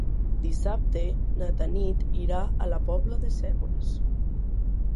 Dissabte na Tanit irà a la Pobla de Cérvoles.